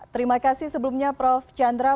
terima kasih sebelumnya prof chandra